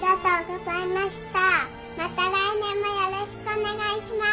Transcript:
また来年もよろしくお願いします。